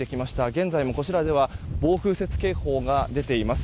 現在もこちらでは暴風雪警報が出ています。